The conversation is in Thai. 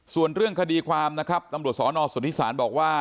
ส่วนเรื่องคดีความนะครับตำรวจสนสุธิศาลบอกว่า